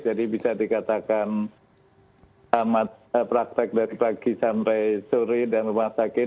jadi bisa dikatakan amat praktek dari pagi sampai sore dan rumah sakit